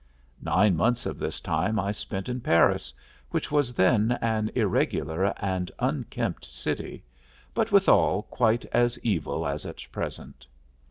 Nine months of this time I spent in Paris, which was then an irregular and unkempt city, but withal quite as evil as at present.